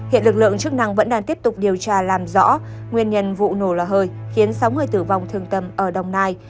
hiện lực lượng chức năng vẫn đang tiếp tục điều tra làm rõ nguyên nhân vụ nổ lò hơi khiến sáu người tử vong thương tâm ở đồng nai